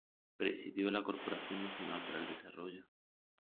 Presidió la Corporación Nacional para el Desarrollo.